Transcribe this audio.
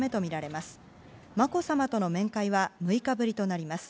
まこさまとの面会は６日ぶりとなります。